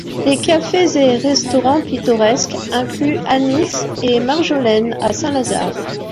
Les cafés et restaurants pittoresques incluent Anis & Marjolaine à Saint-Lazare.